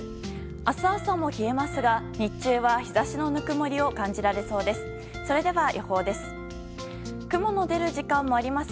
明日朝も冷えますが日中は日差しのぬくもりを感じられそうです。